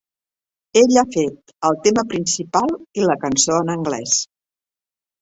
Ell ha fet el tema principal i la cançó en anglès.